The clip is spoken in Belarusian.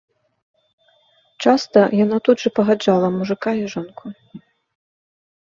Часта яна тут жа пагаджала мужыка і жонку.